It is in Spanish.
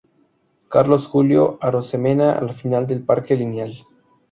Carlos Julio Arosemena, al final del Parque Lineal.